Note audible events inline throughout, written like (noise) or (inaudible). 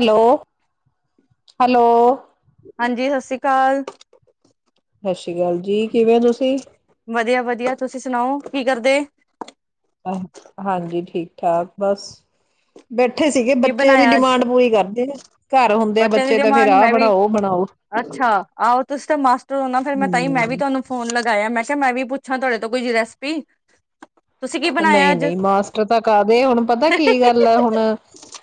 Hello, hello. ਹਾਂਜੀ ਸਤਿ ਸ਼੍ਰੀ ਅਕਾਲ। ਸਤਿ ਸ਼੍ਰੀ ਅਕਾਲ ਦੀਦੀ ਕਿਵੇਂ ਹੋ ਤੁਸੀਂ ਵਧੀਆ ਵਧੀਆ ਤੁਸੀਂ ਸੁਣਾਓ ਕੀ ਕਰਦੇ। ਹਾਂਜੀ ਠੀਕ-ਠਾਕ ਬਸ। ਬੈਠੇ ਸੀਗੇ ਕੀ ਬੱਚਿਆਂ ਦੀ ਬਣਾਇਆ ਅੱਜ ਡਿਮਾਂਡ ਪੂਰੀ ਕਰਦੇ ਆ। ਘਰ ਹੁੰਦੇ ਆ ਬੱਚਿਆਂ ਦੀ ਬੱਚੇ ਤਾਂ ਫੇਰ ਡਿਮਾਂਡ ਆਹ ਮੈਂ ਵੀ ਬਣਾਓ ਬਣਾਓ ਅੱਛਾ ਆਓ ਤੁਂ ਤੇ ਮਾਸਟਰ ਹੋਣਾ ਫਿਰ ਮੈਂ ਤਹੀ ਮੈਂ ਵੀ ਹੂੰ। ਤੁਹਾਨੂੰ ਫੋਨ ਲਗਾਇਆ ਮੈਂ। ਅੱਛਾ ਮੈਂ ਵੀ ਪੁੱਛਾਂ ਤੁਹਾਡੇ ਤੋਂ ਕੁਝ ਰੈਸਿਪੀ। ਨਹੀਂ ਨਹੀਂ ਮਾਸਟਰ ਤਾਂ ਕਦੇ ਹੁਣ ਪਤਾ ਕੀ ਗੱਲ ਹੈ ਹੁਣ।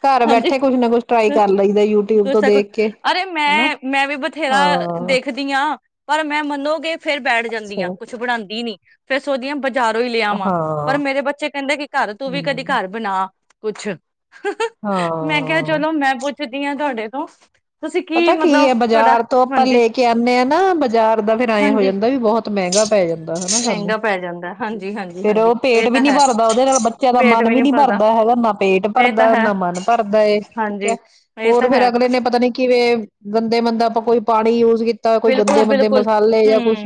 ਘਰ ਹਾਂਜੀ ਬੈਠੇ ਕੁਛ ਨਾ ਕੁਛ ਟਰਾਈ ਕਰ ਲਈਦਾ ਯੂਟਿਊਬ ਦੋ ਤੋਂ ਸੈਕਿੰਡ ਦੇਖ ਕੇ। ਅਰੇ ਹਨਾ ਮੈਂ ਮੈਂ ਵੀ ਬਥੇਰਾ ਹਾਂ ਦੇਖਦੀ ਆਂ। ਪਰ ਮੈਂ ਮੰਨੋਗੇ। ਫੇਰ ਬੈਠ ਜਾਂਦੀਆਂ ਅੱਛਾ ਕੁਛ ਬਣਾਦੀ ਨੀ ਫਿਰ ਸੋਚਦੀ ਆਂ ਬਜਾਰੋ ਹੀ ਲਿਆ ਵਾਂ ਹਾਂ ਪਰ ਮੇਰੇ ਬੱਚੇ ਕਹਿੰਦੇ ਕਿ ਘਰ ਤੂੰ ਵੀ ਕਦੀ ਹੂੰ ਘਰ ਬਣਾ। ਕੁਛ। ਮੈਂ ਕਿਹਾ ਹਾਂ। ਚਲੋ ਮੈਂ ਪੁੱਛਦੀ ਹਾਂ ਤੁਹਾਡੇ। ਉਫ। ਪਤਾ ਕੀ ਹੈ ਬਾਜ਼ਾਰ ਤੋਂ ਆਪਾਂ ਹਾਂਜੀ ਲੈ ਕੇ ਆਉਦੇ ਹਾਂ ਨਾ ਬਾਜ਼ਾਰ ਦਾ ਫੇਰ ਐਂ ਹੋ ਹਾਂਜੀ ਜਾਂਦਾ ਵੀ ਬਹੁਤ ਮਹਿੰਗਾ ਪੈ ਜਾਂਦਾ ਹਨਾ ਸਾਨੂੰ ਮਹਿੰਗਾ ਪੈ ਜਾਂਦਾ ਹਾਂਜੀ ਹਾਂਜੀ ਫੇਰ ਹਾਂਜੀ ਉਹ ਇਹ ਪੇਟ ਵੀ ਤਾਂ ਨੀ ਹੈ ਭਰਦਾ ਉਹਦੇ ਨਾਲ ਬੱਚਿਆਂ ਦਾ ਮਨ ਵੀ ਨੀ ਭਰਦਾ ਹੈਗਾ ਨਾ ਪੇਟ। ਨਾ ਪੇਟ ਇਹ ਤਾਂ ਭਰਦਾ ਹੈ ਨ ਮਨ ਭਰਦਾ ਏ ਠੀਕ ਹਾਂਜੀ ਹੈ ਇਹ ਹੋਰ ਤਾਂ ਫੇਰ ਹੈ ਅਗਲੇ ਨੇ ਪਤਾ ਨੀ। ਕਿਵੇਂ ਬੰਦੇ ਬੰਦਾ ਆਪਾਂ ਕੋਈ ਪਾਣੀ ਯੂ ਬਿਲਕੁਲ ਬਿਲਕੁਲ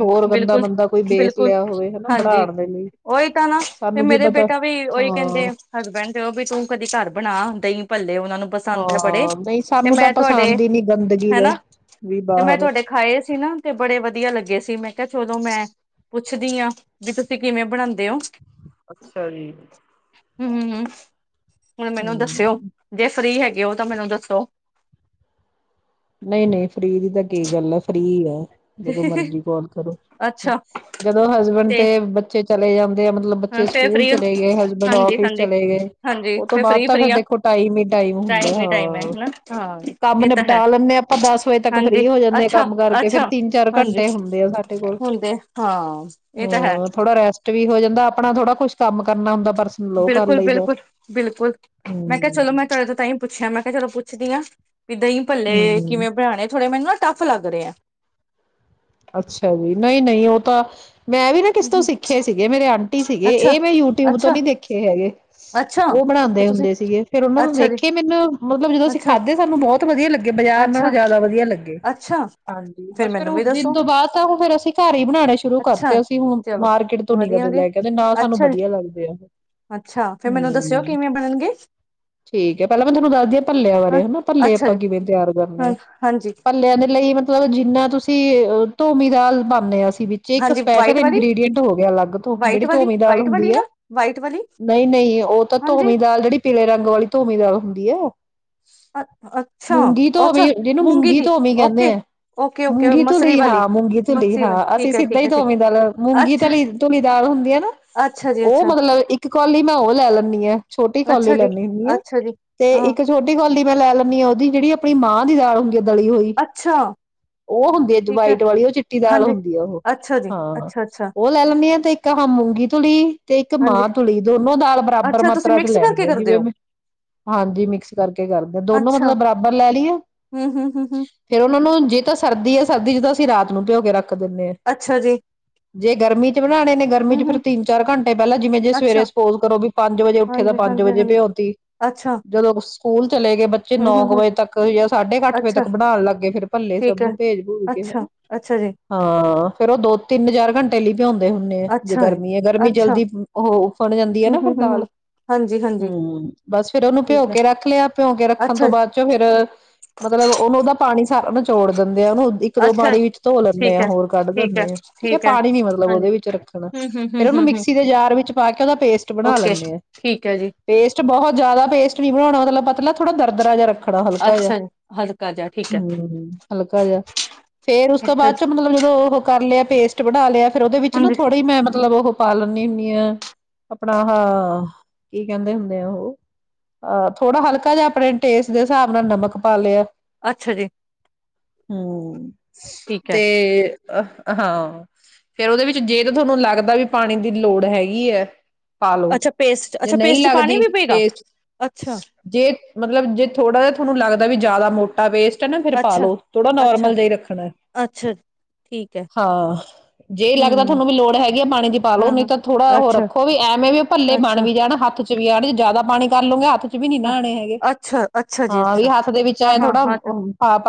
ਹੋਰ ਗੰਦਾ ਬਿਲਕੁਲ ਮੰਦਾ ਕੋਈ ਬੇਸ ਬਿਲਕੁਲ ਲਿਆ ਹੋਵੇ ਹਨਾ ਹਾਂਜੀ ਬਣਾਉਣ ਦੇ ਲਈ ਓਹੀ ਤਾਂ ਨਾ ਫੇਰ ਸਾਨੂੰ ਕੀ ਮੇਰੇ ਪਤਾ ਬੇਟਾ ਵੀ ਉਹੀ ਕਹਿੰਦੇ ਹਾਂ ਹਸਬੈਂਡ ਤੇ ਉਹ ਵੀ ਤੂੰ ਕਦੀ ਘਰ ਬਣਾ ਦਹੀਂ ਭਲ ਹਾਂ ਨਹੀਂ ਸਾਨੂੰ ਤਾਂ ਤੁਹਾਡੇ ਪਸੰਦ ਹੀ ਨੀ ਗੰਦਗੀ ਹਨਾ ਦਾ ਵੀ ਮੈਂ ਬਾਹਰ। ਤੁਹਾਡੇ ਖਾਏ ਤੇ ਨਾ ਤੇ ਬੜੇ ਵਧੀਆ ਲੱਗੇ ਸੀ ਮੈਂ ਕਿਹਾ ਸਗੋਂ ਮੈਂ ਪੁੱਛਦੀ ਹਾਂ ਵੀ ਤੁਸੀਂ ਕਿਵੇਂ ਬਣਾਉਂਦੇ ਹੋ। ਅੱਛਾ ਜੀ ਹ ਹ ਮ ਹੁਣ ਮੈਨੂੰ ਹਮ ਦੱਸਿਓ ਜੇ ਫਰੀ ਹੈਗੀ ਉਹ ਤਾਂ ਮੈਨੂੰ ਦੱਸੋ। ਨਹੀਂ ਨਹੀਂ ਫਰੀ ਦੀ ਤਾਂ ਕੀ ਗੱਲ ਹੈ। ਫਰੀ ਹੈ ਜਦੋਂ ਮਰਜੀ ਕਾਲ ਕਰੋ ਅੱਛਾ ਜਦੋਂ। ਹਸਬੈਂਡ ਤੇ ਬੱਚੇ ਚਲੇ ਜਾਂਦੇ ਆ ਮਤਲਬ ਬੱਚੇ ਫੇਰ ਸਕੂਲ ਫ੍ਰਰੀ ਚਲੇ ਗਏ ਹਸਬੈਂਡ ਹਾਂਜੀ ਆਫਿਸ ਹਾਂਜੀ ਚਲੇ ਗਏ। ਹਾਂਜੀ ਉਹ ਤੋਂ ਫੇਰ ਬਾਅਦ ਫ੍ਰਰੀ ਤਾਂ ਫ ਫ੍ਰਰੀ ਆ ਦੇਖੋ ਟਾਈਮ ਹੀ ਟਾਈਮ ਹੁੰਦਾ। ਹੀ ਟਾਈਮ ਹੈ ਹਨਾ ਹਾਂ ਕੰਮ ਇਹ ਤਾਂ ਹੈ ਨਿਪਟਾ ਲੋ ਤੇ ਆਪਾਂ ਦਸ ਵਜੇ ਤੱਕ ਹਾਂਜੀ ਫਰੀ ਹੋ ਜਾਂਦੇ ਹਾਂ ਅੱਛਾ ਕੰਮ ਕਰਕੇ ਫੇਰ ਅੱਛਾ ਤਿੰਨ ਹਾਂਜੀ ਘੰਟੇ ਹੁੰਦੇ ਆ ਸਾਡੇ ਕੋਲ ਹੁੰਦੇ ਹਾਂ ਇਹ ਤਾਂ ਹੈ ਹਾਂ ਥੋੜਾ ਰੈਸਟ ਵੀ ਹੋ ਜਾਂਦਾ ਆਪਣਾ ਥੋੜਾ ਕੁੱਛ ਕੰਮ ਕਰਨਾ ਹੁੰਦਾ। ਪਰਸਨਲ ਉਹ ਕਰ ਬਿਲਕੁਲ ਲਈਦਾ। ਬਿਲਕੁਲ ਬਿਲਕੁਲ ਮੈਂ ਕਿਹਾ ਚਲੋ ਮੈਂ ਹੂੰ-ਹੂੰ ਤੁਹਾਡੇ ਤਾਹਿ ਪੁੱਛਿਆ ਮੈਂ। ਮੈਂ ਚਲੋ ਪੁੱਛਦੀ ਹਾਂ। ਵੀ ਦਹੀਂ ਪੱਲੇ ਕਿਵੇਂ ਬਣਾਉਣੇ ਥੋੜੇ ਮੈਨੂੰ। ਟਫ਼ ਲੱਗ ਰਹੇ ਆ। ਅੱਛਾ ਜੀ ਨਹੀਂ ਨਹੀਂ ਉਹ ਤਾਂ ਮੈਂ ਵੀ ਨਾ ਕਿਸ ਤੋਂ ਹਮ ਸਿੱਖੇ ਸੀ ਮੇਰੇ ਆਂਟੀ ਸੀ ਗੇ ਅੱਛਾ ਇਹ ਮੈਂ ਯੂਟਿਊਬ ਤੋਂ ਅੱਛਾ ਨੀ ਦੇਖੇ ਹੈਗੇ ਅੱਛਾ ਉਹ ਇਹ ਬਣਾਦੇ ਤੁਸੀਂ ਹੁੰਦੇ ਸੀ ਗੇ ਫੇਰ ਉਹਨਾ ਤੋਂ ਅੱਛਾ ਜੀ ਦੇਖੇ ਮੈਨੂੰ ਮਤਲਬ ਜਦੋਂ ਅਸੀਂ ਅੱਛਾ ਖਾੇ ਸਾਨੂੰ ਬਹੁਤ ਵਧੀਆ ਲੱਗੇ ਬਾਜ਼ਾਰ ਨਾਲੋਂ ਅੱਛਾ ਜ਼ਿਆਦਾ ਵਧੀਆ ਲੱਗੇ ਅੱਛਾ ਹਾਂਜੀ ਫੇਰ ਬਸ ਫਿਰ। ਮੈਨੂੰ ਵੀ ਦਿਨ ਦੱਸੋ ਤੋਂ ਬਾਅਦ ਤਾਂ ਹੁਣ ਫੇਰ ਅਸੀਂ ਘਰ ਹੀ ਬਣਾਉਣੇ ਸ਼ੁਰੂ ਅੱਛਾ ਕਰਤੇ ਅਸੀਂ ਹੁਣ ਚਲੋ ਮਾਰਕੀਟ ਤੋਂ ਨੀ ਵਧੀਆ ਕਦੇ ਵਧੀਆ ਲੈ ਕੇਦੇ ਨਾ ਸਾਨੂੰ ਅੱਛਾ ਜੀ ਵਧੀਆ ਲੱਗਦੇ ਆ ਅੱਛਾ ਫੇਰ ਮੈਨੂੰ ਦੱਸਿਓ ਹਮ ਕਿਵੇਂ ਬਣਨਗੇ ਠੀਕ ਹੈ ਪਹਿਲਾਂ ਮੈਂ ਤੁਹਾਨੂੰ ਦੱਸਦੀ ਭੱਲਿਆਂ ਹਾਂ ਬਾਰੇ ਹਨਾ ਭੱਲੇ ਅੱਛਾ ਆਪਾਂ ਜੀ ਕਿਵੇਂ ਤਿਆਰ ਕਰਨੇ ਹਾਂ ਆ ਹਾਂਜੀ ਪੱਲਿਆਂ ਦੇ ਲਈ ਮਤਲਬ ਜਿੰਨਾ ਤੁਸੀਂ ਤੇ ਧੂਮੀ ਦਾਲ ਪਾਂਨੇ ਹ ਅਸੀ ਵਿੱਚ ਇੱਕ ਹਾਂਜੀ ਸਪੈਸ਼ਲ ਵਾਈਟ ਵਾਲੀ ਇੰਗ੍ਰਰੀਡੀਅਂਟ ਹੋ ਗਿਆ ਅਲੱਗ ਤੋਂ ਵਾਈਟ ਜਿਹੜੀ ਵਾਲੀ ਧੂਮੀ ਦਾਲ ਵਾਈਟ ਵਾਲੀ ਹੁੰਦੀ ਹੈ ਨਾ ਵਾਈਟ ਵਾਲੀ ਨਹੀਂ ਨਹੀਂ ਉਹ ਤਾਂ ਹਾਂਜੀ ਧੂਮੀ ਦਾਲ ਜਿਹੜੀ ਪੀਲੇ ਰੰਗ ਵਾਲੀ ਧੂਮੀ ਦਾਲ ਹੁੰ ਬੀਆ ਅ ਅੱਛਾ ਅੱਛਾ ਜਿਹਨੂੰ ਮੂੰਗੀ ਦੀ ਧੋਵੀ ਕਹਿੰਦੇ ਓਕੇ ਆ ਓਕੇ ਓਕੇ ਮੂੰਗੀ ਮਸਰੀ ਧੁਲੀ ਵਾਲੀ ਹਾਂ ਮੂੰਗੀ ਧੁਲੀ ਮਸਰੀ ਹਾਂ ਵਾਲੀ ਅਸੀਂ ਠੀਕ ਹੈ ਸਿੱਧਾ ਠੀਕ ਹੀ ਹੈ ਠੀਕ ਧੋਵੀਂ ਦ ਮੂੰਗੀ ਅੱਛਾ ਧਲੀ ਧੁਲੀਦਾਲ ਹੁੰਦੀ ਆ ਨਾ ਅੱਛਾ ਜੀ ਉਹ ਅੱਛਾ ਮਤਲਬ ਇੱਕ ਕੌਲੀ ਮੈਂ ਉਹ ਲੈ ਲੈਂਦੀ ਹਾਂ ਛੋਟੀ ਕੌਲੀ ਅੱਛਾ ਜੀ ਲੈਦੀ ਹੁੰਦੀ ਆ ਅੱਛਾ ਜੀ ਤੇ ਹਾਂ ਇੱਕ ਛੋਟੀ ਹੀ ਮੈਂ ਲੈ ਲੈਂਦੀ ਹਾਂ ਉਹਦੀ ਜਿਹੜੀ ਆਪਣੀ ਮਾਂ ਦੀ ਦਾਲ ਹੁੰਦੀ ਦਲੀੀ ਹੋਈ ਅੱਛਾ ਉਹ ਹੁੰਦੀ ਹੈ ਜੁਵਾਈਟ ਵਾਲੀ ਉਹ ਚਿੱਟੀ ਦਾਲ ਹਾਂਜੀ ਹੁੰਦੀ ਆ ਉਹ ਅੱਛਾ ਜੀ ਹਾਂ ਅੱਛਾ ਅੱਛਾ ਉਹ ਲੈ ਲੈਂਦੇ ਤੇ ਇੱਕ ਮੁੱਗੀ ਤੁਲੀ ਤੇ ਇੱਕ ਹਾਂਜੀ ਮਾਂ ਧੂਲੀ ਦੋਨੋ ਦਾਲ ਬਰਾਬਰ ਅੱਛਾ ਤੁਸੀਂ ਮਾਤਰਾ ਚ ਮਿਕਸ ਲੈਣੀ ਕਰਕੇ ਹੈ ਕਰਦੇ ਜਿਵੇਂ ਹੋ ਹਾਂਜੀ ਮਿਕਸ ਕਰਕੇ ਕਰਦੇ ਦੋਨੋ ਅੱਛਾ ਮਤਲਬ ਬਰਾਬਰ ਲੈ ਲਈਏ ਹਮ ਹਮ ਹਮ ਹਮ ਫੇਿਰ ਉਹਨਾਂ ਨੂੰ ਜਿ ਤਾਂ ਸਰਦੀ ਹੈ ਸਰਦੀ ਚ ਤਾਂ ਅਸੀਂ ਰਾਤ ਨੂੰ ਭਿਓ ਕੇ ਰੱਖ ਰੱਖ ਦਿੰਦੇ ਆ ਅੱਛਾ ਜੀ ਜੇ ਗਰਮੀ ਚ ਬਣਾਉਣੇ ਨੇ ਗਰਮੀ ਚ ਹਮ ਫੇਿਰ ਹਮ ਤਿੰਨ ਚਾਰ ਘੰਟੇ ਪਹਿਲਾਂ ਜਿਵੇਂ ਜੇ ਅੱਛਾ ਸਵੇਰੇ ਸਪੋਜ ਕਰੋ ਵੀ ਪੰਜ ਵਜੇ ਉੱਠੇ ਤਾਂ ਹਾਂਜੀ ਪੰਜ ਹਾਂਜੀ ਵਜੇ ਹਾਂਜੀ ਭਿਓਤੀ ਅੱਛਾ ਜਦੋਂ ਸਕੂਲ ਚਲੇ ਗਏ ਬੱਚੇ ਹਮ ਨੌ ਹਮ ਕੁ ਹਮ ਵਜੇ ਤੱਕ ਜਾਂ ਸਾਢੇ ਕੁ ਅੱਠ ਵਜੇ ਅੱਛਾ ਤੱਕ ਬਣਾਉਣ ਲੱਗੇ ਫਿਰ ਭੱਲੇ ਸਭ ਠੀਕ ਹੈ ਨੂੰ ਭੇਜ ਭੂਜ ਕੇ ਅੱਛਾ ਹਨਾ ਅੱਛਾ ਜੀ ਹਾਂ ਫੇਰ ਉਹ ਦੋ ਤਿੰਨ ਚਾਰ ਘੰਟੇ ਲਈ ਭਿਉਂਦੇ ਹੁੰਦੇ ਆ ਜੇ ਅੱਛਾ ਜੀ ਗਰਮੀ ਹੈ ਗਰਮੀ ਅੱਛਾ ਜਲਦੀ ਉਹ ਉ ਫਣ ਜ ਹੈ ਹਮ ਨਾ ਹਮ ਫਿਰ ਹਮ ਹਮ ਦਾਲ ਹਾਂਜੀ ਹਾਂਜੀ ਹਮ ਬਸ ਫੇਿਰ ਉਹਨੂੰ ਭਿਉ ਠੀਕ ਹੈ ਕੇ ਰੱਖ ਲਿਆ ਭਿਉ ਕੇ ਰੱਖਣ ਅੱਛਾ ਤੋਂ ਬਾਅਦ ਚੋਂ ਫੇਿਰ ਮਤਲਬ ਉਹਨੂੰ ਉਹਦਾ ਪਾਣੀ ਸਾਰ ਚੋੜ ਦ ਉਹਨੂੰ ਇੱਕ ਦੋ ਅੱਛਾ ਪਾਣੀ ਵਿੱਚ ਧੋ ਲੈਂਦੇ ਠੀਕ ਆ ਹੈ ਹੋਰ ਕੱਢ ਠੀਕ ਹੈ ਦਿੰਦੇ ਆ ਠੀਕ ਹੈ ਪਾਣੀ ਨੀ ਮਤਲਬ ਹਾਂਜੀ ਉਹਦੇ ਵਿੱਚ ਰੱਖਣਾ ਹਮ ਹਮ ਹਮ ਫੇਰ ਹਮ ਉਹਨੂੰ ਏਕ ਦੋ ਪਾਨੀ ਵਿਚ ਧੋ ਲੈਣੇ ਆ ਹੋਰ ਕਡ ਲੈਂਦੇ ਆ। ਪਾਨੀ ਨਹੀਂ ਰੱਖਣਾ ਹਮ ਮਿਕਸੀ ਦੇ ਜਾਰ ਵਿੱਚ ਪਾ ਕੇ ਉਹਦਾ ਪੇਸਟ ਬਣਾ ਓਕੇ ਲੈਂਦੇ ਆ ਠੀਕ ਹੈ ਜੀ ਪੇਸਟ ਬਹੁਤ ਜਿਆਦਾ ਪੇਸਟ ਨੀ ਬਣਾਉਣਾ ਮਤਲਬ ਪਤਲਾ ਥੋੜਾ ਦਰਦਰਾ ਜਿਹਾ ਰੱਖਣਾ ਹਲਕਾ ਜਹਾ ਅੱਛਾ ਜੀ ਹਲਕਾ ਜਿਹਾ ਠੀਕ ਹੈ ਹਮ ਹਲਕਾ ਜਿਹਾ ਫੇਰ ਉਸ ਤੋਂ ਅੱਛਾ ਬਾਅਦ ਜੀ ਚੋਂ ਮਤਲਬ ਜਦੋਂ ਉਹ ਕਰ ਲਿਆ ਪੇਸਟ ਬਣਾ ਲਿਆ ਫੇਰ ਉਹਦੇ ਵਿੱਚ ਨਾ ਹਾਂਜੀ ਥੋੜੀ ਮਤਲਬ ਉਹ ਪਾ ਲੈਂਣੀ ਹੁੰਦੀ ਆ ਆਪਣਾ ਹਹ ਕੀ ਕਹਿੰਦੇ ਹੁੰਦੇ ਆ ਉਹ ਅਹ ਥੋੜਾ ਹਲਕਾ ਜਿਹਾ ਆਪਣੇ ਟੇਸਟ ਦੇ ਹਿਸਾਬ ਨਾਲ ਨਮਕ ਪਾ ਲਿਆ ਅੱਛਾ ਜੀ ਹਾਂ ਠੀਕ ਹੈ ਤੇ ਅ ਹਾਂ ਫੇਰ ਉਹਦੇ ਵਿੱਚ ਜੇ ਤਾਂ ਤੁਹਾਨੂੰ ਲੱਗਦਾ ਵੀ ਪਾਣੀ ਦੀ ਲੋੜ ਹੈਗੀ ਹੈ ਪਾ ਲੋ ਅੱਛਾ ਪੇਸਟ ਜੇ ਅੱਛਾ ਨਹੀਂ ਪੇਸਟ ਚ ਪਾਣੀ ਲੱਗਦੀ ਵੀ ਪਏਗਾ ਪੇਸਟ ਅੱਛਾ ਜੇ ਮਤਲਬ ਜੇ ਥੋੜਾ ਜਿਹਾ ਤੁਹਾਨੂੰ ਲੱਗਦਾ ਦਾ ਵੀ ਜ਼ਿਆਦਾ ਮੋਟਾ ਵੇਸਟ ਅੱਛਾ ਪਾਾਲੋ ਥੋੜਾ ਅੱਛਾ ਨੋਰਮਲ ਜਿ ਹੀ ਰੱਖਣਾ ਅੱਛਾ ਠੀਕ ਹੈ ਹਾਂ ਜੇ ਲੱਗਦਾ ਹਮ ਤੁਹਾਨੂੰ ਵੀ ਲੋੜ ਹੈਗੀ ਆ ਪਾਣੀ ਦੀ ਪਾਾਲਓ ਹਾਂ ਨਹੀਂ ਹਾਂ ਤਾਂ ਥੋੜਾ ਉਹ ਅੱਛਾ ਰੱਖੋ ਵੀ ਐਵੇਂ ਵੀ ਭੱਲੇ ਬਣ ਅੱਛਾ ਵੀ ਜਾਣ ਹੱਥ ਚ ਵੀ ਆੜ ਚ ਜ਼ਿਆਦਾ ਪਾਣੀ ਕਰ ਲਉਗੇ ਹੱਥ ਵੀ ਨੀ ਹਾਂ ਨਹਾਣੇ ਹੈਗੇ ਅੱਛਾ ਅੱਛਾ ਜੀ ਹਾਂ ਵੀ ਅੱਛਾ ਹੱਥ ਦੇ ਵਿੱਚ ਹਾਂ ਆਏਂ ਹਾਂ ਥੋੜਾ ਹਾਂ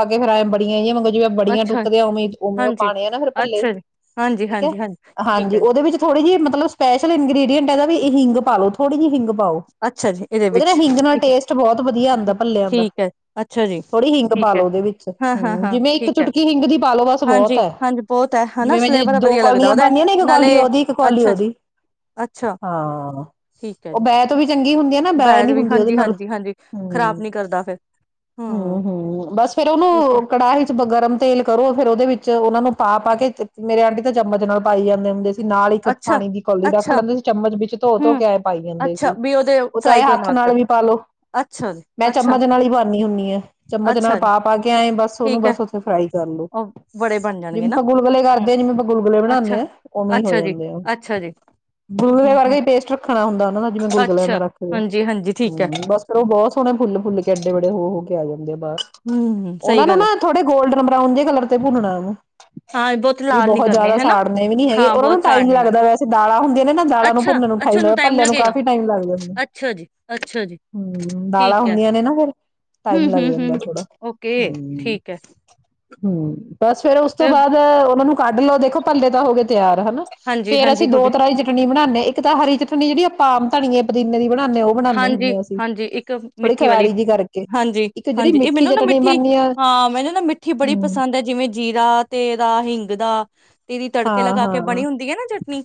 ਆਗੇ ਫਿਰ ਆਏ ਬੜੀ ਜਿਵੇਂ ਬੜੀਆਂ ਅੱਛਾ ਟੁੱਕਦੇ ਆ ਉਵੇਂ ਉਵੇਂ ਉਹ ਹਾਂਜੀ ਪਾਉਣੇ ਆ ਨਾ ਫਿਰ ਭੱਲੇ ਅੱਛਾ ਵੀ ਜੀ ਹਾਂਜੀ ਠੀਕ ਹੈ ਹਾਂਜੀ ਠੀਕ ਹਾਂਜੀ ਹੈ ਜੀ ਉਹਦੇ ਵਿੱਚ ਥੋੜੇ ਜਿਹੀ ਮਤਲਬ ਸਪੈਸ਼ਲ ਇੰਗ ਕਹਿੰਦਾ ਵੀ ਇਹ ਹਿੰਗ ਪਾ ਲਓ ਥੋੜੀ ਜਿਹੀ ਹਿੰਗ ਪਾਓ ਅੱਛਾ ਜੀ ਇਹਦੇ ਉਹਦੇ ਨਾ ਵਿੱਚ ਹਿੰਗ ਨਾਲ ਠੀਕ ਟੇਸਟ ਬਹੁਤ ਵਧੀਆ ਹੈ ਆਉਂਦਾ ਪੱਲਿਆਂ ਦਾ ਠੀਕ ਹੈ ਅੱਛਾ ਜੀ ਥੋੜੀ ਹਿੰਗ ਠੀਕ ਹੈ ਤੁਹਾਨੂੰ ਦੇ ਵਿੱਚ ਹਾਂ ਹਾਂ ਹਾਂ ਜਿਵੇਂ ਇੱਕ ਠੀਕ ਹੈ ਚੁਟਕੀ ਹਿੰਗ ਦੀ ਪਾ ਲਓ ਬਸ ਬਹੁਤ ਹਾਂਜੀ ਹ ਹਾਂਜੀ ਬਹੁਤ ਹੈ ਹਨਾ ਜਿਵੇਂ ਫਲੇਵਰ ਦੋ ਵਧੀਆ ਕੌਲੀ ਲੱਗਦਾ ਉਹਦਾ ਪਾਦੀਆਂ ਨੇ ਇੱਕ ਨਾਲੇ ਕਾਲੀ ਉਹਦੀ ਇੱਕ ਕੋਲੀ ਅੱਛਾ ਜੀ, ਉਹਦੀ ਅੱਛਾ ਹਾਂ ਠੀਕ ਹੈ ਉਹ ਜੀ ਮੈਂ ਤੋਂ ਵੀ ਚੰਗੀ ਹੁੰਦੀ ਆ ਨਾ ਬੈ ਬੈਦ ਨੀ ਵੀ ਹੁੰਦੀ ਉਹਦੇ ਹਾਂਜੀ ਨਾਲ ਹਾਂਜੀ ਹਾਂਜੀ ਹਮ ਖ਼ਰਾਬ ਨੀ ਕਰਦਾ ਫਿਰ ਹਮ ਹਮ ਬਸ ਫੇਰ ਠੀਕ ਹੈ ਉਹਨੂੰ ਕੜਾਹੀ ਚ ਗਰਮ ਤੇਲ ਕਰੋ ਫ ਉਹਦੇ ਵਿੱਚ ਉਹਨਾ ਨੂੰ ਪਾ ਕੇ ਮੇਰੇ ਆਂਟੀ ਤਾਂ ਚਮਚ ਨਾਲ ਪਾਈ ਜਾਂਦੇ ਹੁੰਦੇ ਨਾਲ ਇੱਕ ਅੱਛਾ ਪਾਣੀ ਦੀ ਕੌਲੀ ਰੱਖ ਅੱਛਾ ਲੈਂਦੇ ਸੀ ਚਮਚ ਵਿੱਚ ਧੋ ਧੋ ਹਮ ਕੇਏਂ ਪਾਈ ਜਾਂਦੇ ਅੱਛਾ ਸੀ ਵੀ ਉਹਦੇ ਉਹ ਚਾਹੇ ਫਰਾਈ ਕਰਨ ਹੱਥ ਨਾਲ ਵਕਤ ਵੀ ਪਾਲੋ ਅੱਛਾ ਜੀ ਮੈਂ ਅੱਛਾ ਚਮਚ ਨਾਲ ਹੀ ਪਾਉਂਦੀ ਹੁੰਦੀ ਆ ਚਮਚ ਨਾਲ ਅੱਛਾ ਜੀ ਆਪ ਗਿਆਏ ਬ ਉਹਨੂੰ ਠੀਕ ਹੈ ਬਸ ਉੱਥੇ ਫਰਾਈ ਕਰਲੋ ਉਹ ਬੜੇ ਬਣ ਜਿਵੇਂ ਜਾਣਗੇ ਨਾ ਆਪਾਂ ਗੁਲਗੁਲੇ ਹਮ ਕਰਦੇ ਹਾਂ ਜਿਵੇਂ ਆਪਾਂ ਗੁਲਗੁਲੇ ਅੱਛਾ ਬਣਾਦੇ ਆਾਂ ਉਵੇਂ ਹੀ ਹੋ ਅੱਛਾ ਜੀ ਜਾਂਦੇ ਆ ਅੱਛਾ ਜੀ ਹਮ ਗੁਲਗਲੇ ਹਮ ਹਮ ਕਰਕੇ ਪੇਸਟ ਰੱਖਣਾ ਹੁੰਦਾ ਉਹ ਦਾ ਜਿਵੇਂ ਗੁਲਗਲਿਆਂ ਦਾ ਅੱਛਾ ਰੱਖਦੇ ਹਾਂਜੀ ਹਾਂਜੀ ਠੀਕ ਹੈ ਹਮ ਬਸ ਫੇਰ ਉਹ ਬਹੁਤ ਸੋਹਣੇ ਫੁੱਲ ਫੁੱਲ ਕੇ ਐਡੇ ਬੜੇ ਹੋ ਹੋ ਗ ਆ ਜਾਂਦੇ ਆ ਬਾਹਰ ਹਮ ਉਹਨਾ ਸਹੀ ਨੂੰ ਗੱਲ ਹੈ। ਨਾ ਥੋੜੇ ਗੋਲਡਨ ਬਰਾਊਨ ਜ ਕਲਰ ਤੇ ਭੁਨਣਾ ਹ ਹਾਂ ਵੀ ਲਾਲ ਨੀ ਬਹੁਤ ਕਰਨੇ ਜ਼ਿਆਦਾ ਹਨਾ ਸਾੜਨੇ ਵੀ ਨੀ ਹੈਗੇ ਹਾਂ ਉਹਨਾ ਨੂੰ ਬਹੁਤ ਟਾਈਮ ਸਾੜਨੇ ਲੱਗਦਾ ਵੈਸੇ ਦਾਲਾਂ ਹੁੰਦੀਆਂ ਨੇ ਨਾ ਦਾਲਾਂ ਨੂੰ ਅੱਛਾ, ਭੁੰਨ ਨੂੰ ਅੱਛਾ ਟਾਈਮ ਉਹਨੂੰ ਲਗ ਪੱਲਿਆਂ ਨੂੰ ਲੱਗੇਗਾ ਕਾਫੀ ਟਾਈਮ ਲੱਗ ਜਾਂਦੇ ਅੱਛਾ ਜੀ, ਅੱਛਾ ਜੀ ਹਮ ਦਾਲਾਂ ਠੀਕ ਹੈ। ਹੁੰਦੀਆਂ ਨੇ ਨਾ ਫਿਰ ਟਾਈਮ ਲੱਗ ਜਾਂਦਾ ਥੋੜਾ ਕੇ ਠੀਕ ਹੈ ਹਮ ਬਸ ਫੇਰ ਉਸ ਤੋਂ ਫਿਰ ਬਾਅਦ ਉਹਨਾਂ ਨੂੰ ਕੱਢ ਲਓ ਦੇਖੋ ਪੱਲੇ ਤਾਂ ਹੋ ਗਏ ਤਿਆਰ ਹਨਾ ਹਾਂਜੀ, ਫ਼ੇਰ ਹਾਂਜੀ ਅਸੀਂ ਹੋ ਦੋ ਗਏ। ਤਰ੍ਹਾਂ ਦੀ ਚਟਨੀ ਬਣਾਦੇ ਇੱਕ ਤਾਂ ਹਰੀ ਚਟਨੀ ਜਿਹੜੀ ਧਨੀਏ ਪੁਦੀਨੇ ਦੀ ਬਣਾਉਦੇ ਉਹ ਬਣਾਉਂਦੇ ਹਾਂਜੀ, ਹੁੰਦੇ ਅਸੀਂ ਹਾਂਜੀ ਇੱਕ ਥੋੜੀ ਮਿੱਠੀ ਵਾਲੀ ਕਰਾਰੀ ਜਿਹੀ ਕਰਕੇ ਹਾਂਜੀ, ਇੱਕ ਜਿਹੜੀ ਹਾਂਜੀ ਇਹ ਮਿੱਠੀ ਜ ਮੈਨੂੰ ਨਾ ਮਿੱਠੀ ਹਾਂ ਮੈਨੂੰ ਨਾ ਮਿੱਠੀ ਬੜੀ ਪਸੰਦ ਹੈ ਜਿਵੇਂ ਜੀਰਾ ਤੇਰਾ ਹਿੰਗ ਦਾ ਤੇ ਇਹਦੀ ਤੜਕੇ ਹਾਂ ਲਗਾ ਕੇ ਹਾਂ ਬਣੀ ਹੁੰਦੀ ਹੈ ਨਾ ਚਟਨੀ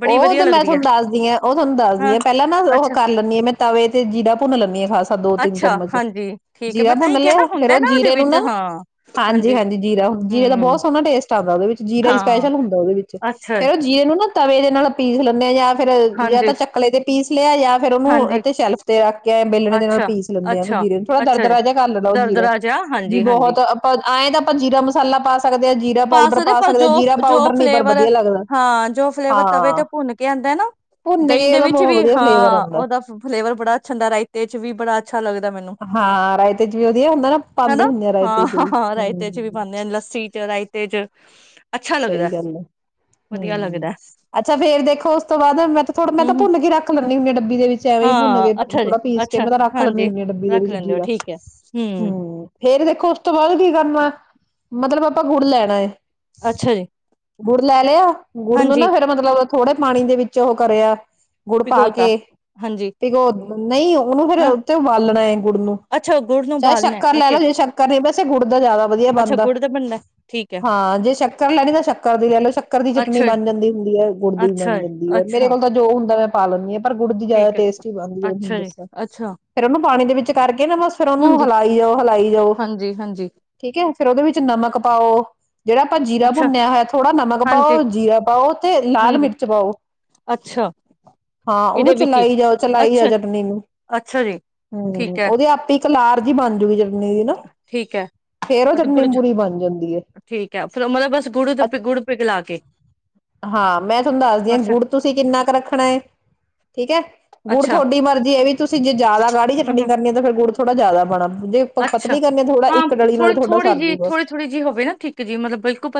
ਬੜੀ ਉਹ ਵਧੀਆ ਤਾਂ ਮੈਂ ਲੱਗਦੀ ਹੈ ਤੁਹਾਨੂੰ ਦੱਸਦੀ ਹ ਉਹ ਤੁਹਾਨੂੰ ਦੱਸਦੀ ਹਾਂ। ਆ ਪਹਿਲਾਂ ਨਾ ਉਹ ਅੱਛਾ, ਕਰ ਲ ਮੈਂ ਤਵੇ ਤੇ ਜੀਰਾ ਭੁੰਨ ਲੈਂਦੀ ਹਾਂ ਖਾਸਾ ਦੋ ਤਿੰਨ ਅੱਛਾ ਚਮਚ ਹਾਂਜੀ ਠੀਕ ਹੈ ਜੀਰਾ ਮੈਂ ਤਾਂ ਹੀ ਭੁੰਨ ਕਿਹਾ ਨਾ ਲਿਆ ਫੇਰ ਹੁੰਦਾ ਉਹ ਉਹਦੇ ਜੀਰੇ ਨੂੰ ਵਿੱਚ ਨਾ ਹਾਂ। ਹਾਂਜੀ ਹਾਂਜੀ ਜੀਰਾ ਜੀਰੇ ਦਾ ਬਹੁਤ ਹੂੰ ਸੋਹਣਾ ਟੇਸਟ ਆਉਂਦਾ ਉਹਦੇ ਵਿੱਚ ਜੀਰਾ ਹਾਂ ਸਪੈਸ਼ਲ ਹੁੰਦਾ ਉਹਦੇ ਵਿੱਚ ਅੱਛਾ ਫੇਰ ਉਹ ਜੀਏ ਨੂੰ ਨਾ ਤਵੇ ਦੇ ਨਾਲ ਪੀਸ ਲੈਂਦੇ ਹਾਂ ਜਾਂ ਫੇਰ ਜ ਹਾਂਜੀ, ਤਾਂ ਚੱਕਲੇ ਦੇ ਪੀਸ ਪਲੇਰ ਜਾਂ ਫਿਰ ਹਾਂਜੀ ਉਹਨੂੰ ਸ਼ੈਲਫ ਤੇ ਰੱਖ ਬੇਲਣ ਨਾਲ ਅੱਛਾ, ਪੀਸ ਲੈਂਦੇ ਆਾਂ ਉਹਨ ਅੱਛਾ, ਜੀਰੇ ਨੂੰ ਥੋੜਾ ਦਰਦ ਅੱਛਾ ਜੀ ਰ ਜਹਾ ਕਰ ਲਓ ਜੀਰਾ ਦਰਦਰਾ ਜਿਹਾ ਵੀ ਹਾਂਜੀ-ਹਾਂਜੀ ਬਹੁਤ ਆਪਾਂ ਆਏਂ ਤਾਂ ਆਪਾਂ ਜੀਰਾ ਮਸਾਲਾ ਪਾ ਸਕਦੇ ਹਾਂ ਜੀਰਾ ਪਾਊਡਰ ਪਾ ਸਕਦੇ ਹਾਂ ਜੀਰਾ ਜੋ ਪਾਊਡਰ ਨੀ ਪਰ ਫਲੇਵਰ ਵਧੀਆ ਲੱਗਦਾ ਹਾਂ ਜੋ ਫਲੇਵਰ ਤਵੇ ਹਾਂ ਤੇ ਭੁੰਨ ਕੇ ਆਉਂਦਾ ਨਾ ਭੁੰਨ ਦਹੀਂ ਕੇ ਦੇ ਉਹਦਾ ਵਿੱਚ ਬਹੁਤ ਵੀ ਵਧੀਆ ਫਲੇਵਰ ਹਾਂ ਆਉਂਦਾ। ਉਹਦਾ ਫਲੇਵਰ ਬੜਾ ਅੱਛਾ ਹੁੰਦਾ ਰਾਈ ਬੜਾ ਅੱਛਾ ਲੱਗਦਾ ਮੈਨੂੰ ਹਾਂ ਰਾਇਤੇ ਚ ਵੀ ਵਧੀਆ ਹੁੰਦਾ ਨਾ ਪਾਉਂਦੇ ਹਨਾ ਹੁੰਦੇ ਆ ਰਾਇਤੇ ਚ ਵੀ ਹਾਂ-ਹਾਂ ਤੇਜ ਸਹੀ ਗੱਲ ਹੈ ਹਮ ਲੱਗਦਾ ਅੱਛਾ ਫੇਰ ਦੇਖੋ ਉਸ ਤੋਂ ਬਾਅਦ ਮੈਂ ਤਾਂ ਥੋੜਾ ਮੈਂ ਤਾਂ ਹੂੰ-ਹੂੰ ਭੁੰਨ ਕੇ ਰੱਖ ਲੈਦੀ ਹੁੰਦੀ ਹਾਂ ਡੱਬੀ ਦੇ ਵਿੱਚ ਐਵੇਂ ਹੀ ਭੁੰਨ ਹਾਂ ਕੇ ਅੱਛਾ ਜੀ ਥੋੜਾ ਪੀਸ ਅੱਛਾ ਕਿਵੇਂ ਤਾਂ ਰੱਖ ਲੈਂਨੀ ਹਾਂਜੀ ਹੁੰਦੀ ਆ ਡੱਬੀ ਦੇ ਵੀ ਰੱਖ ਲੈਂਦੇ ਦੂਜੀ ਹੋ ਦਾ ਠੀਕ ਹੈ ਹੂੰ ਹਮ ਫੇਰ ਦੇਖੋ ਉਸ ਤੋਂ ਬਾਅਦ ਕੀ ਕਰਨਾ ਮਤਲਬ ਆਪਾਂ ਗੁੜ ਲੈਣਾ ਹੈ ਅੱਛਾ ਜੀ ਗੁੜ ਲੈ ਲਿਆ ਗੁੜ ਨੂੰ ਹਾਂਜੀ ਨਾ ਫੇਿਰ ਮਤਲਬ ਥੋੜੇ ਪਾਣੀ ਦੇ ਵਿੱਚ ਚ ਉਹ ਕਰਿਆ ਗੁੜ ਪਾ ਭਿਗੋਤਾ ਹਾਂਜੀ ਕੇਕ ਉਹ ਨਹੀਂ ਉਹਨੂੰ ਹਾਂ ਫੇਿਰ ਤੇ ਉਬਾਲਣਾ ਗੁੜ ਨੂੰ ਅੱਛਾ ਗੁੜ ਨੂੰ ਚਾਹੇ ਉਬਾਲਣਾ ਸ਼ੱਕਰ ਲੈ ਓਕੇ ਲਓ ਜੇ ਸ਼ੱਕਰ ਨਹੀਂ ਵੈਸੇ ਗੁੜ ਦਾ ਜ਼ਿਆਦਾ ਵਧੀਆ ਅੱਛਾ ਬਣਦਾ ਗੁੜ ਦਾ ਬਣਦਾ ਠੀਕ ਹੈ ਹਾਂ ਜੇ ਚੱਕਰ ਲੈਣੀ ਤਾਂ ਸ਼ੱਕਰ ਦੀ ਲੈ ਲਓ ਸ਼ੱਕਰ ਦੀ ਚਟਨੀ ਅੱਛਾ ਜੀ, ਬਣ ਜਾਂਦੀ ਹੁੰਦੀ ਹੈ ਗੁੜ ਦੀ ਵੀ ਅੱਛਾ ਬਣ ਜੀ, ਜਾਂਦੀ ਹੈ ਮੇਰੇ ਅੱਛਾ ਕੋਲ ਤਾਂ ਜੋ ਹੁੰਦਾ ਮੈਂ ਪਾ ਲੈਂਦੀ ਹਾਂ ਪਰ ਗੁੜ ਦੀ ਜ਼ਿਆਦਾ ਠੀਕ ਹੈ ਟੇਸਟ ਹੀ ਬਣਦੀ ਹੈ ਮੈਂ ਤੁਹਾਨੂੰ ਅੱਛਾ ਜੀ ਦੱਸਿਆ ਅੱਛਾ ਫੇਿਰ ਉਹਨੂੰ ਪਾਣੀ ਦੇ ਵਿੱਚ ਕਰਕੇ ਨਾ ਬਸ ਫੇਿਰ ਉਹਨੂੰ ਹਾਂਜੀ ਹਿਲਾਈ ਜਾਓ ਹਿਲਾਈ ਜਾਓ ਹਾਂਜੀ ਹਾਂਜੀ ਠੀਕ ਹੈ ਫੇਰ ਉਹਦੇ ਵਿੱਚ ਨਮਕ ਪਾਓ ਜਿਹੜਾ ਆਪਾਂ ਜੀਰਾ ਅੱਛਾ ਭੁੰਨਿਆ ਹੈਇ ਥੋੜਾ ਨਮਕ ਹਾਂਜੀ ਪਾਓ ਜੀਰਾ ਪਾਓ ਤੇ ਲਾਲ ਹਾਂਜੀ ਮਿਰਚ ਪਾਓ ਅੱਛਾ ਹਾਂ ਉਹਨੂੰ ਇਹਦੇ ਵਿੱਚ ਹੀ ਚਲਾਈ ਜਾਓ ਚਲਾਈ ਜਾਓ ਅੱਛਾ ਚਟਨੀ ਨੂੰ ਅੱਛਾ ਜੀ ਹਮ ਠੀਕ ਹੈ ਉਹਦੇ ਆਪੇ ਇੱਕ ਲਾਰ ਜ ਹੀ ਬਣਜੂਗੀ ਚਟਨੀ ਨਾ ਠੀਕ ਹੈ ਫੇਰ ਉਹ ਅਤੇ ਚਟਨੀ ਗੁੜ ਚ ਪੂਰੀ ਬਣ ਜਾਂਦੀ ਹੈ ਠੀਕ ਹੈ ਫਿਰ ਮਤਲਬ ਬਸ ਗੁੜ ਤੇ ਗੁੜ ਪਿਘਲਾ ਕੇ ਹਾਂ ਮੈਂ ਤੁਹਾਨੂੰ ਦੱਸਦੀ ਆ ਅੱਛਾ ਗੁੜ ਤੁਸੀਂ ਕਿੰਨਾ ਕੁ ਰੱਖਣਾ ਹੈ ਠੀਕ ਹੈ ਗੁੜ ਅੱਛਾ ਤੁਹਾਡੀ ਮਰਜ਼ੀ ਇਹ ਵੀ ਤੁਸੀਂ ਜੇ ਜ਼ਿਆਦਾ ਗਾੜੀ ਹਮ ਚੱਟਣੀ ਹਮ ਕਰਨੀ ਹੈ ਤਾਂ ਫੇਿਰ ਗੁੜ ਥੋੜਾ ਜ਼ਿਆਦਾ ਬਣਾ ਅੱਛਾ ਹਾਂ ਥੋੜੀ ਤੁਹਾਡਾ ਥੋੜ੍ਹੀ ਜਿਹੀ ਸਰਜੂਗਾ ਥੋੜੀ ਥੋੜ੍ਹੀ ਜਿਹੀ ਹੋਵੇ ਨਾ ਠੀਕ ਜਿ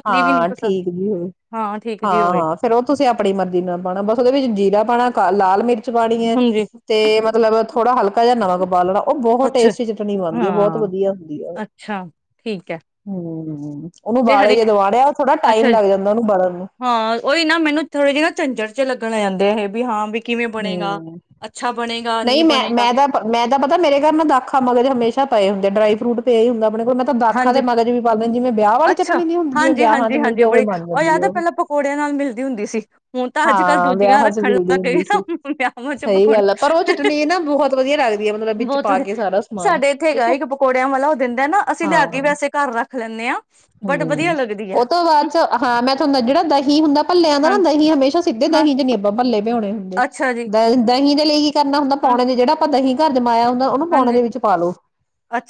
ਹਾਂ ਠੀਕ ਜੀ ਹੋ ਹਾਂ ਠੀਕ ਜੀ ਹਾਂ ਹੋਵੇ ਹਾਂ ਫੇਰ ਉਹ ਤੁਸੀਂ ਆਪਣੀ ਮਰਜ਼ੀ ਨਾਲ ਪਾਉਣਾ ਬਸ ਉਹਦੇ ਵਿੱਚ ਜੀਰਾ ਪਾਉਣਾ ਲਾਲ ਮਿਰਚ ਮਿਰਚ ਪਾਣੀ ਏ ਹਾਂਜੀ ਤੇ ਮਤਲਬ ਥੋੜਾ ਹਲਕਾ ਜਿਹਾ ਨਮਕ ਪੈ ਲੈਣਾ ਉਹ ਬਹੁਤ ਅੱਛਾ ਟੇਸਟੀ ਚਟਣੀ ਬਣਦੀ ਉਹ ਬਹੁਤ ਹਾਂ ਵਧੀਆ ਹੁੰਦੀ ਆ। ਅੱਛਾ ਠੀਕ ਹੈ ਹੂੰ ਹੂੰ ਤੇ ਹਰੀ, ਅੱਛਾ, ਜਾਂਦਾ ਉਹਨੂੰ ਬਣਨ ਨੂੰ ਹਾਂ ਉਹੀ ਨਾ ਮੈਨੂੰ ਥੋੜੇ ਜਿਹੇ ਨਾ ਝੰਜਟ ਜਾ ਲੱਗਣ ਲੱਗ ਜਾਂਦਾ। ਇਹ ਵੀ ਹਾਂ ਵੀ ਕਿਵੇਂ ਬਣੇਗਾ ਹੂੰ ਅੱਛਾ ਬਣੇਗਾ ਨਹੀਂ ਮੈਂ ਬਣੇਗਾ ਮੈਂ ਤਾਂ ਮੈਂ ਤਾਂ ਪਤਾ ਮੇਰੇ ਘਰ ਨਾ ਦਾਖਾ ਮਗਜ ਹਮੇਸ਼ਾ ਪਏ ਹੁੰਦੇ ਡਰਾਈ ਫਰੂਟ ਪਏ ਹੀ ਹੁੰਦਾ ਆਪਣੇ ਹੋਰ ਮੈਂ ਤਾਂ ਦਾਖਾ ਹਾਂਜੀ ਦੇ ਮਗਜ ਵੀ ਪਾ ਲਵਾਂ ਜਿਵੇਂ ਵਿਆਹ ਵਾਲੀ ਅੱਛਾ, ਚਟਣੀ ਨਹੀਂ ਹੁੰਦੀ ਜਿਵੇਂ ਹਾਂਜੀ, ਵਿਆਹਾਂ ਹਾਂਜੀ, 'ਚ ਹਾਂਜੀ ਮਿਲਦੀ ਉਹ ਉਵੇਂ ਬੜੀ ਬਣ ਉਹ ਜਾਂਦੀ ਯਾਦ ਆ ਹੈ ਪਹਿਲਾਂ ਪਕੌੜਿਆਂ ਨਾਲ ਮਿਲਦੀ ਹੁੰਦੀ ਸੀ, ਹੁਣ ਤਾਂ ਅੱਜ-ਕੱਲ੍ਹ ਹਾਂ ਦੂਜੀਆਂ ਵਿਆਹਾਂ 'ਚ ਰੱਖਣ ਮਿਲਦੀ ਲੱਗ ਗਏ ਹੁੰਦੀ ਆ। ਸੀ ਵਿਆਵਾਂ ਚ ਸਹੀ ਪਕੌੜੇ, ਗੱਲ ਆ ਪਰ ਉਹ ਚਟਨੀ ਨਾ ਬਹੁਤ ਵਧੀਆ ਲੱਗਦੀ ਆ ਮਤਲਬ ਵਿੱਚ ਬਹੁਤ ਪਾ ਵਧੀਆ ਕੇ ਸਾਰਾ ਸਮਾਨ ਸਾਡੇ ਇੱਥੇ ਠੀਕ ਹੈ ਇੱਕ ਪਕੌੜਿਆਂ ਵਾਲਾ ਉਹ ਦਿੰਦਾ ਨਾ ਅਸੀਂ ਲਿਆ ਹਾਂ ਕੇ ਈ ਵੈਸੇ ਘਰ ਰੱਖ ਰੱਖ ਲੈਨੇ ਆ। ਹੂੰ ਉਹ ਤੋਂ ਬਾਅਦ 'ਚ ਹਾਂ ਮੈਂ ਤੁਹਾਨੂੰ ਜਿਹੜਾ ਦਹੀਂ ਹੁੰਦਾ ਭੱਲਿਆਂ ਦਾ ਨਾ ਹਾਂਜੀ ਦਹੀਂ ਹਮੇਸ਼ਾ ਸਿੱਧੇ ਹਾਂ ਦਹੀਂ 'ਚ ਨੀ ਆਪਾਂ ਭੱਲੇ ਭਿਉਣੇ ਹੁੰਦੇ। ਅੱਛਾ ਜੀ (unintelligible) ਦਹੀਂ (unintelligible) ਲਈ ਕਰਨਾ ਹੁੰਦਾ ਹਾਂ ਪਾਉਣੇ ਦੇ ਜਿਹੜਾ ਆਪਾਂ ਦਹੀਂ ਘਰ ਜਮਾਇਆ ਹੁੰ ਦਾ ਉਹਨੂੰ ਪਾਉਣੇ ਹਾਂਜੀ ਦੇ ਵਿੱਚ ਪਾ ਲੋੋ।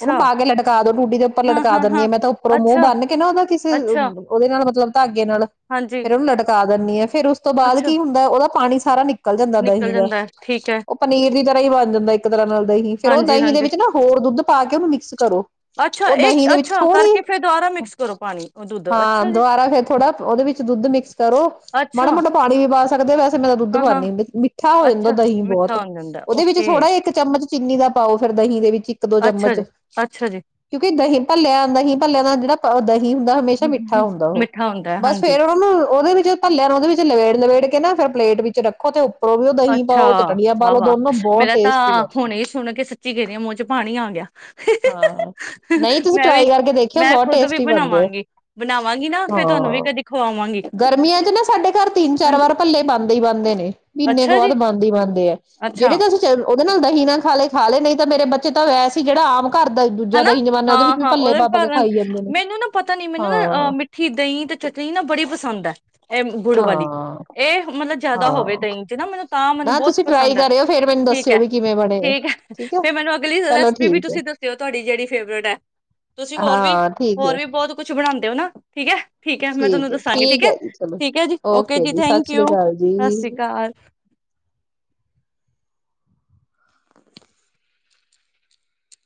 ਉਹਨੂੰ ਪਾ ਕੇ ਲਟਕਾ ਦੋ ਟੂਟੀ ਦੇ ਉੱਪਰ ਲਟਕਾ ਦਿੰਨੀ ਹਾਂ ਮੈਂ ਤਾਂ ਉੱਪਰੋਂ ਮੂੰਹ ਬੰਨ ਕੇ ਨਾ ਉਹਦਾ ਕਿਸੇ ਅੱਛਾ ਉਹਦੇ ਨਾਲ ਮਤਲਬ ਨਲ਼ਕੇ ਨਾ, ਹਾਂਜੀ ਫਿਰ ਉਹਨੂੰ ਲਟਕਾ ਦਿੰਨੀ ਆ। ਫੇਰ ਉਸ ਤੋਂ ਬਾਅਦ ਅੱਛਾ ਕੀ ਹੁੰਦਾ ਉਹਦਾ ਪਾਣੀ ਸਾਰਾ ਨਿਕਲ ਜਾਂਦਾ ਨਿਕਲ ਦਹੀਂ ਦਾ, ਜਾਂਦਾ ਹੈ ਠੀਕ ਹੈ ਉਹ ਪਨੀਰ ਦੀ ਤਰ੍ਹਾਂ ਹੀ ਬਣ ਜਾਂਦਾ ਇੱਕ ਤਰ੍ਹਾਂ ਨਾਲ ਦਹੀਂ ਫੇਰ ਉਹ ਹਾਂਜੀ ਦਹੀਂ ਦੇ ਹਾਂਜੀ ਵਿੱਚ ਨਾ ਹੋਰ ਦੁੱਧ ਪਾ ਕੇ ਉਹਨੂੰ ਮਿਕਸ ਕਰੋ ਅੱਛਾ ਉਹ ਦਹੀਂ ਇਹ ਦੇ ਵਿੱਚ ਅੱਛਾ ਥੋੜ੍ਹੀ ਕਰਕੇ ਫੇਰ ਦੁਬਾਰਾ ਮਿਕਸ ਕਰੋ ਪਾਣੀ ਉਹ ਦੁੱਧ ਹਾਂ ਅੱਛਾ ਜੀ ਦੁਬਾਰਾ ਫੇਰ ਥੋੜ੍ਹਾ ਉਹਦੇ ਵਿੱਚ ਦੁੱਧ ਮਿਕਸ ਕਰੋ ਅੱਛਾ ਮਾੜਾ-ਮੋਟਾ ਪਾਣੀ ਵੀ ਪਾ ਸਕਦੇ ਵੈਸੇ ਮੈਂ ਤਾ ਦੁੱਧ ਹਾਂ ਹਾਂ ਪਾਨੀ ਹੁੰਨੀ ਮਿੱਠਾ ਹੋ ਜਾਂਦਾ ਅੱਛਾ ਦਹੀਂ ਬਹੁਤ। ਮਿੱਠਾ ਹੋ ਜਾਂਦਾ ਉਹਦੇ ਵਿੱਚ ਓਕੇ ਥੋੜ੍ਹਾ ਜਾ ਇੱਕ ਚਮਚ ਚੀਨੀ ਦਾ ਪਾਓ ਫਿਰ ਦਹੀਂ ਦੇ ਵਿੱਚ ਇੱਕ-ਦੋ ਅੱਛਾ ਚਮਚ, ਜੀ ਅੱਛਾ ਜੀ ਕਿਉਂਕਿ ਦਹੀਂ ਭੱਲਿਆਂ ਦਹੀਂ ਭੱਲਿਆਂ ਦਾ ਜਿਹੜਾ ਦਹੀਂ ਹੁੰਦਾ ਹਮੇਸ਼ਾ ਹੂੰ ਹੂੰ ਮਿੱਠਾ ਹੂੰ, ਹੁੰਦਾ ਉਹ, ਮਿੱਠਾ ਹੁੰਦਾ ਹੈ, ਬਸ ਹਾਂਜੀ ਫੇਰ ਉਹਨਾ ਨੂੰ ਉਹਦੇ ਵਿੱਚ ਭਲਿਆ ਨੂੰ ਉਹਦੇ ਵਿੱਚ ਲਵੇੜ-ਲਵੇੜ ਕੇ ਨਾ ਫ਼ਿਰ ਪਲੇਟ ਵਿੱਚ ਰੱਖੋ ਤੇ ਉੱਪਰੋਂ ਵੀ ਉਹ ਦਹੀਂ ਅੱਛਾ ਪਾਓ ਚਟਣੀਆਂ ਪਾ ਲਓ ਦੋਨੋ ਵਾਹ-ਵਾਹ ਬਹੁਤ ਮੇਰਾ ਟੇਸਟੀ ਤਾਂ ਬਣਦੇ ਹੁਣੇ ਹੀ ਸੁਣ ਕੇ ਸੱਚੀ ਕਹਿ ਰਹੀ ਆ ਮੂੰਹ ਚ ਪਾਣੀ ਆ ਗਿਆ। ਹਾਂ, ਨਹੀਂ ਤੁਸੀਂ ਮੈਂ ਵੀ ਟਰਾਈ ਕਰਕੇ ਦੇਖਿਓ ਮੈਂ ਬਹੁਤ ਖੁਦ ਵੀ ਟੇਸਟੀ ਬਣਦੇ ਆ। ਬਣਾਵਾਂਗੀ ਬਣਾਵਾਂਗੀ ਨਾ ਫੇਰ ਤੁਹਾਨੂੰ ਵੀ ਹਾਂ ਕਦੀ ਖਵਾਵਾਂਗੀ ਗਰਮੀਆਂ 'ਚ ਨਾ ਸਾਡੇ ਘਰ ਤਿੰਨ-ਚਾਰ ਵਾਰ ਭੱਲੇ ਬਣਦੇ ਹੀ ਬਣਦੇ ਨੇ। ਅੱਛਾ ਸਵਾਦ ਜੀ ਬਣਦੀ, ਬਣਦੀ ਹੈ ਅੱਛਾ ਜਿਹੜੇ ਤੁਸੀ ਉਹਦੇ ਨਾਲ ਦਹੀਂ ਨਾਲ ਖਾ ਲੇ। ਖਾ ਲੇ, ਨਹੀਂ ਤਾਂ ਮੇਰੇ ਬੱਚੇ ਤਾ ਵੈਸੇ ਹੀ ਜਿਹੜਾ ਆਮ- ਘਰ ਦਾ ਦੂਜਾ ਹੈਨਾ ਦਹੀਂ ਜਮਾਨਾ ਵਿੱਚ ਵੀ ਹਾਂ-ਹਾਂ, ਭੱਲੇ ਉਹਦੇ ਪਾ ਪਾ ਕੇ ਕਾਰਨ ਖਾਈ ਜਾਂਦੇ ਨੇ ਮੈਨੂੰ ਨਾ ਪਤਾ ਨੀ ਮੈਨੂੰ ਨਾ ਹਾਂ ਮਿੱਠੀ ਦਹੀਂ ਤੇ ਚਟਨੀ ਨਾ ਬੜੀ ਪਸੰਦ ਹੈ। ਇਹ ਗੁੜ ਵਾਲੀ, ਹਾਂ ਇਹ ਮਤਲਬ ਜ਼ਿਆਦਾ ਹੋਵੇ ਹਾਂ ਦਹੀਂ ਚ ਨਾ ਮੈਨੂੰ ਤਾਂ ਮੈਨੂੰ ਨਾ ਬਹੁਤ ਤੁਸੀਂ ਟਰਾਈ ਪਸੰਦ ਹੈ ਕਰਿਓ ਫੇਰ ਮੈਨੂੰ ਠੀਕ ਦੱਸਿਓ ਹੈ, ਵੀ ਕਿਵੇਂ ਬਣੇ ਆ ਠੀਕ ਹੈ ਠੀਕ ਫੇਰ ਮੈਨੂੰ ਅਗਲੀ ਚਲੋ ਰੈਸਪੀ ਵੀ ਠੀਕ ਹੈ ਤੁਸੀਂ ਦੱਸੋ ਤੇ ਉਹ ਤੁਹਾਡੀ ਜਿਹੜੀ ਫੇਵਰੇਟ ਹੈ, ਤੁਸੀਂ ਹੋਰ ਵੀ, ਹਾਂ ਠੀਕ ਹੋਰ ਹੈ ਵੀ ਬਹੁਤ ਕੁਛ ਬਣਾਉਂਦੇ ਹੋ ਨਾ ਠੀਕ ਹੈ, ਠੀਕ ਹੈ ਮੈਂ ਤੁਹਾਨੂੰ ਦੱਸਾਂਗੀ ਠੀਕ ਹੈ, ਠੀਕ ਹੈ ਜੀ ਓਕੇ ਜੀ ਸਤਿ ਥੈਂਕ ਸ੍ਰੀ ਯੂ। ਅਕਾਲ ਸਤਿ ਜੀ ਸ੍ਰੀ ਅਕਾਲ।